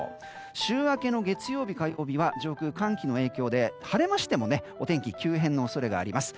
週明けの月曜日は上空寒気の影響で晴れましてもお天気、急変の恐れがあります。